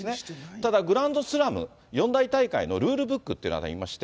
ただ、グランドスラム、四大大会のルールブックっていうのがありまして。